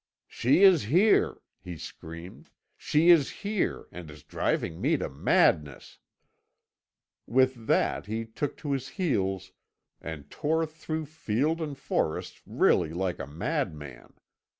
'She is here!' he screamed; 'she is here, and is driving me to madness!' With that he took to his heels and tore through field and forest really like a madman.